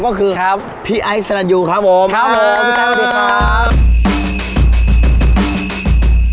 ก็คือพี่ไอ้สนัดอยู่ครับผมครับผมพี่แซ็คพิธีครับ